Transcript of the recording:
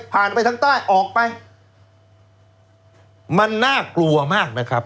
ไปทางใต้ออกไปมันน่ากลัวมากนะครับ